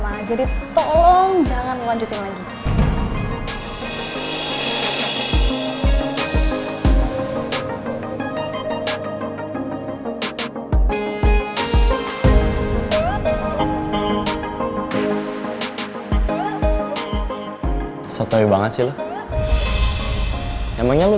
lo gak perlu lanjutin lagi omongan lo